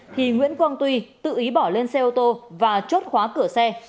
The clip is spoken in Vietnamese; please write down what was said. thì nguyễn quang tuy tự ý bỏ lên xe ô tô và chốt khóa cửa xe